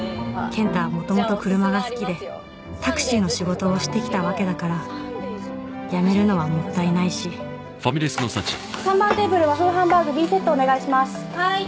ケンタはもともと車が好きでタクシーの仕事をしてきたわけだから３番テーブル和風ハンバーグ Ｂ セットお願いしますはい